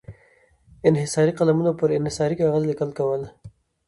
انحصاري قلمونو پر انحصاري کاغذ لیکل کول.